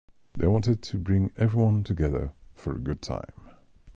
They wanted to bring everyone together for a good time.